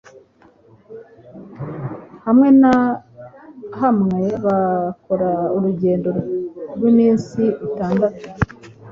Hamwe na hamwebakora urugendo rwiminsi itandatu